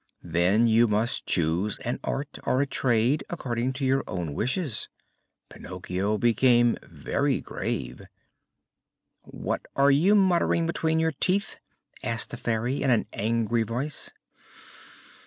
"Then you must choose an art, or a trade, according to your own wishes." Pinocchio became very grave. "What are you muttering between your teeth?" asked the Fairy in an angry voice.